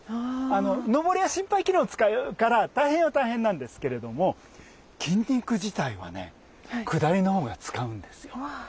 のぼりは心肺機能使うから大変は大変なんですけれども筋肉自体はねくだりのほうが使うんですよ。